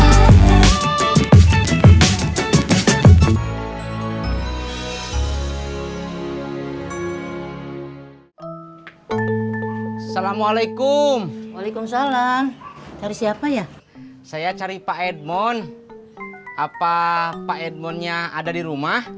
assalamualaikum waalaikumsalam cari siapa ya saya cari pak edmond apa pak edmondnya ada di rumah